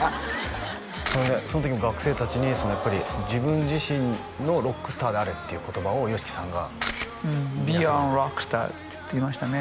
それでその時も学生達にやっぱり「自分自身のロックスターであれ」っていう言葉をＹＯＳＨＩＫＩさんが「ＢｅＹｏｕｒＯｗｎＲｏｃｋｓｔａｒ」って言いましたね